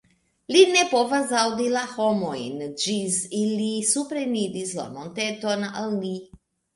Li ne povas aŭdi la homojn ĝis ili supreniris la monteton al li.